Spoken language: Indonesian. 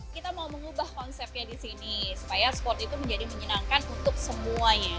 kita mau mengubah konsepnya di sini supaya sport itu menjadi menyenangkan untuk semuanya